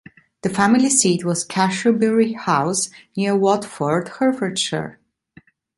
The family seat was Cassiobury House, near Watford, Hertfordshire.